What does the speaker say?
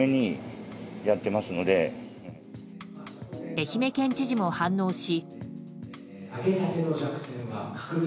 愛媛県知事も反応し。